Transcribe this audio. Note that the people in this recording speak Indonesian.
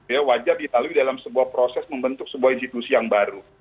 ya wajar ditalui dalam sebuah proses membentuk sebuah institusi yang baru